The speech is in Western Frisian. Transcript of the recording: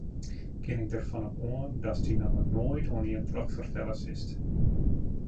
Kin ik derfan op oan datst dy namme noait oan ien trochfertelle silst?